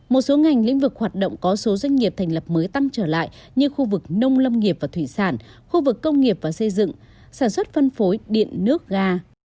một số ngành lĩnh vực hoạt động có số doanh nghiệp thành lập mới tăng trở lại như khu vực nông lâm nghiệp và thủy sản khu vực công nghiệp và xây dựng sản xuất phân phối điện nước ga